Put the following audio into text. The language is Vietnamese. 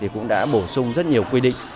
cũng đã bổ sung rất nhiều quy định